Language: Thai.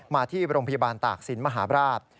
มาที่โรงพยาบาลตากศิลป์มหาบราช